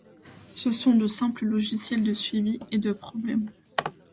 Ce sont de simples logiciels de suivi de problèmes.